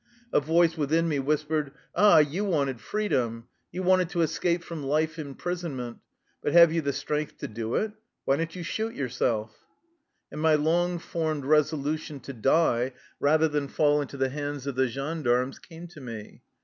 A voice within me whispered: "Ah, you wanted freedom! You wanted to es cape from life imprisonment ! But have you the strength to do it? Why don't you shoot your self? " And my long formed resolution to die rather than fall into the hands of the gendarmes came to me.